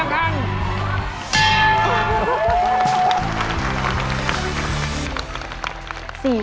เอ้ย